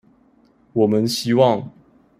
我們希望